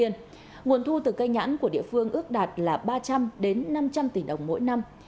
nguồn thu từ cây nhãn của địa phương ước đạt là ba trăm linh năm trăm linh tỷ đồng mỗi năm